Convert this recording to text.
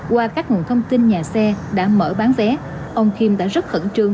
qua các nguồn thông tin nhà xe đã mở bán vé ông kim đã rất khẩn trương